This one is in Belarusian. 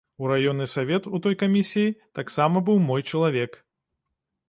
У раённы савет, у той камісіі, таксама быў мой чалавек.